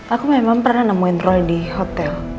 aku memang pernah nemuin rolly di hotel